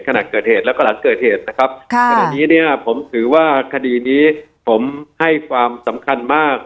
ขณะเกิดเหตุแล้วก็หลังเกิดเหตุนะครับค่ะขณะนี้เนี่ยผมถือว่าคดีนี้ผมให้ความสำคัญมาก